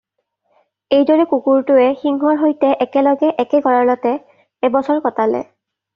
এই দৰে কুকুৰটোৱে সিংহৰ সৈতে একে লগে একে গৰালতে এবছৰ কটালে।